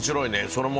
それも。